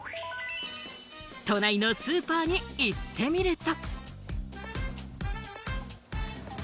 都内のスーパーに行ってみると。